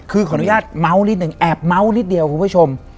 คือขออนุญาตเมาส์นิดนึงแอบเมาส์นิดเดียวคุณผู้ชม